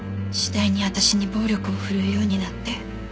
次第に私に暴力を振るうようになって。